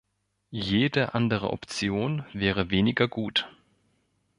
Jede andere Option wäre weniger gut.